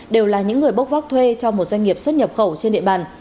đều là những người bốc vác thuê cho một doanh nghiệp xuất nhập khẩu trên địa bàn